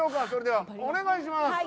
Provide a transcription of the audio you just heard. それでは、お願いします。